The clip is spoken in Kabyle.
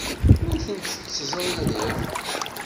Ur tent-ttezririɣ.